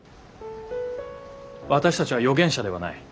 私たちは予言者ではない。